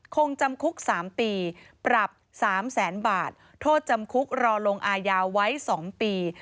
คงจำคุก๓ปีปรับ๓แสนบาทโทษจำคุกรอลงอายาไว้๒ปี